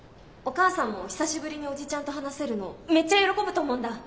お母さんも久しぶりにおじちゃんと話せるのめっちゃ喜ぶと思うんだ。